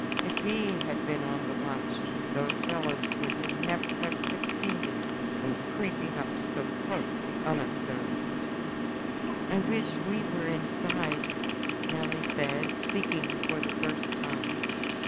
If he had been on the watch, those fellows would never have succeeded in creeping up so close unobserved." "I wish we were inside," Nelly said, speaking for the first time.